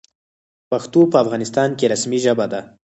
پښتو په افغانستان کې رسمي ژبه ده.